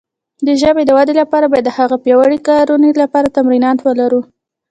د ژبې د وده لپاره باید د هغه د پیاوړې کارونې لپاره تمرینات ولرو.